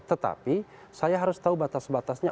tetapi saya harus tahu batas batasnya